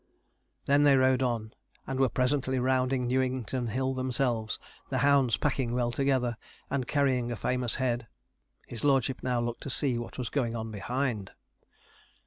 Then they rode on, and were presently rounding Newington Hill themselves, the hounds packing well together, and carrying a famous head. His lordship now looked to see what was going on behind.